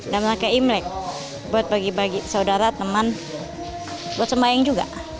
dan rangka imlek buat bagi bagi saudara teman buat sembayang juga